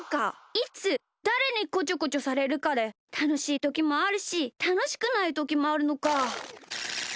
いつだれにこちょこちょされるかでたのしいときもあるしたのしくないときもあるのか。